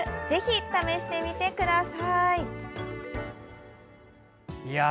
ぜひ、試してみてください。